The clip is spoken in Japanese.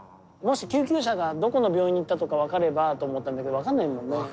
もし救急車がどこの病院に行ったとか分かればと思ったんだけど分かんないもんね。